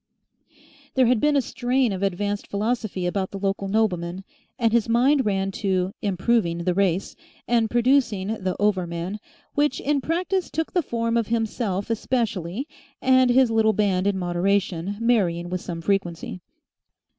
There had been a strain of advanced philosophy about the local nobleman, and his mind ran to "improving the race" and producing the Over Man, which in practice took the form of himself especially and his little band in moderation marrying with some frequency.